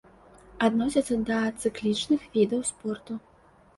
Адносіцца да цыклічных відаў спорту.